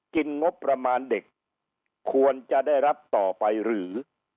งบประมาณเด็กควรจะได้รับต่อไปหรือ